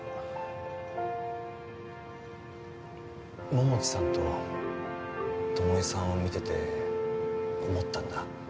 桃地さんと巴さんを見てて思ったんだ。